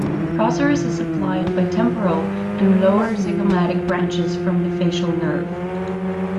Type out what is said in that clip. Procerus is supplied by temporal and lower zygomatic branches from the facial nerve.